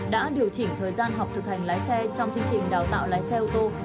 đã điều chỉnh thời gian học thực hành lái xe trong chương trình đào tạo lái xe ô tô